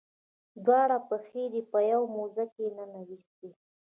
دواړه پښې دې په یوه موزه کې ننویستې.